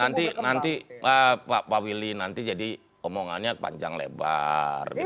nanti pak willy nanti jadi omongannya panjang lebar